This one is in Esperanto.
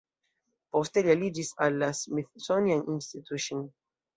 Poste li aliĝis al la "Smithsonian Institution".